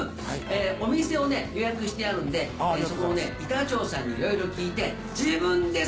お店を予約してあるんでそこの板長さんにいろいろ聞いて。